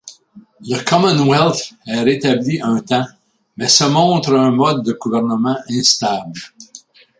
Le Commonwealth est rétabli un temps, mais se montre un mode de gouvernement instable.